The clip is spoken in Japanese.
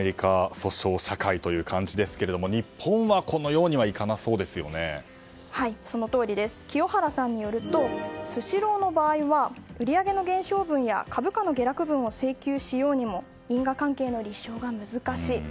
訴訟社会という感じですが日本はこのようにはそのとおりでして清原さんによるとスシローによると売り上げの減少分や株価の下落分を請求しようにも因果関係の立証が難しい。